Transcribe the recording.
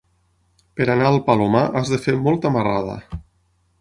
Per anar al Palomar has de fer molta marrada.